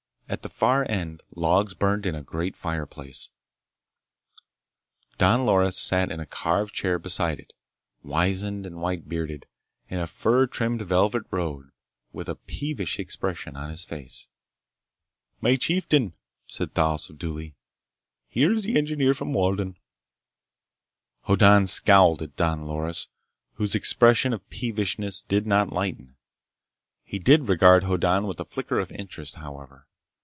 At the far end logs burned in a great fireplace. Don Loris sat in a carved chair beside it; wizened and white bearded, in a fur trimmed velvet robe, with a peevish expression on his face. "My chieftain," said Thal subduedly, "here is the engineer from Walden." Hoddan scowled at Don Loris, whose expression of peevishness did not lighten. He did regard Hoddan with a flicker of interest, however.